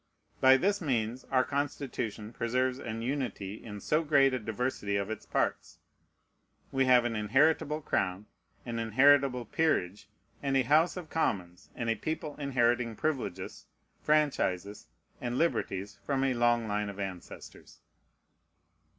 By this means our Constitution preserves an unity in so great a diversity of its parts. We have an inheritable crown, an inheritable peerage, and a House of Commons and a people inheriting privileges, franchises, and liberties from a long line of ancestors.